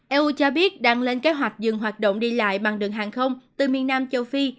eu cho biết đang lên kế hoạch dừng hoạt động đi lại bằng đường hàng không từ miền nam châu phi